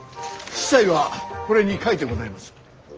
子細はこれに書いてございます。